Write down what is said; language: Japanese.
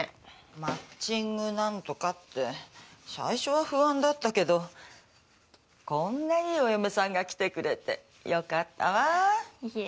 マッチング何とかって最初は不安だったけどこんないいお嫁さんが来てくれてよかったわいえ